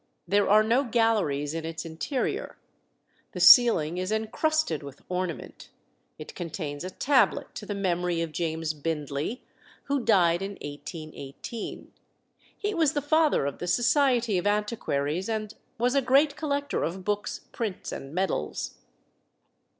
There are no galleries in its interior. The ceiling is encrusted with ornament. It contains a tablet to the memory of James Bindley, who died in 1818. He was the father of the Society of Antiquaries, and was a great collector of books, prints, and medals.